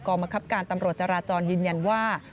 บังคับการตำรวจจราจรยืนยันว่า